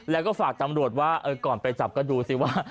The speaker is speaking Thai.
แล้วก็ฝากตำรวจว่าก่อนไปจับก็ดูสิว่า